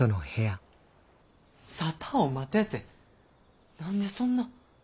沙汰を待てって何でそんな。